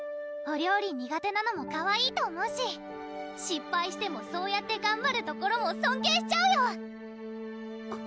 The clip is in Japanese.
お料理苦手なのもかわいいと思うし失敗してもそうやってがんばるところも尊敬しちゃうよ！